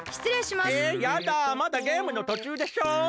まだゲームのとちゅうでしょ！？